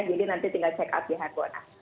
jadi nanti tinggal check out di hard bolnas